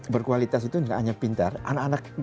berkualitas itu tidak hanya pintar anak anak